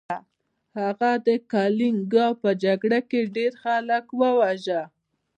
هغه د کلینګا په جګړه کې ډیر خلک وواژه.